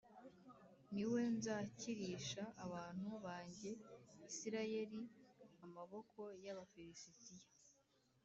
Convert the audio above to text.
ni we nzakirisha abantu banjye Isirayeli amaboko y’Abafilisitiya